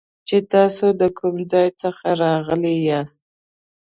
چې تاسو د کوم ځای څخه راغلي یاست